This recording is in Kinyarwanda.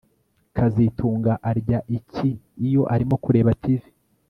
kazitunga arya iki iyo arimo kureba TV